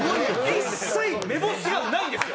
一切目星がないんですよ。